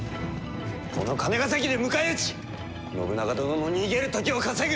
この金ヶ崎で迎え撃ち信長殿の逃げる時を稼ぐ！